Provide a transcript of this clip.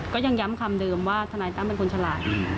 ก็ยังย้ำคำเดิมว่าทนายตั้มเป็นคนฉลาด